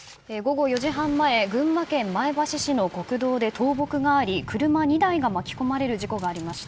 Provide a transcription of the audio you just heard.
午後４時半前群馬県前橋市の国道で倒木があり車２台が巻き込まれる事故がありました。